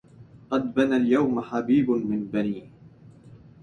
قد بنى اليوم حبيب من بني